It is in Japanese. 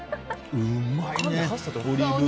うまいね。